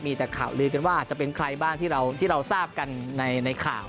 มีแต่ข่าวลือกันว่าจะเป็นใครบ้างที่เราทราบกันในข่าว